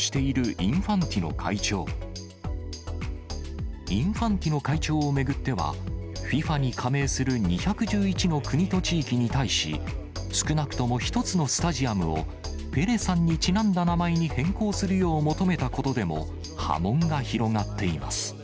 インファンティノ会長を巡っては、ＦＩＦＡに加盟する２１１の国と地域に対し、少なくとも１つのスタジアムを、ペレさんにちなんだ名前に変更するよう求めたことでも波紋が広がっています。